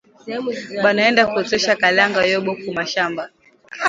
Banaenda kutosha kalanga yabo kumashamba